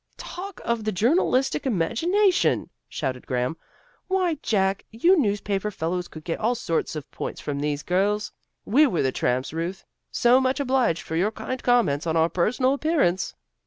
"Talk of the journalistic imagination," shouted Graham. "Why, Jack, you newspaper fellows could get all sorts of points from these girls. We were the tramps, Ruth. So much obliged for your kind comments on our personal appearance."